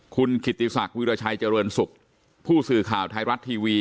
คุณกิติศักดิราชัยเจริญสุขผู้สื่อข่าวไทยรัฐทีวี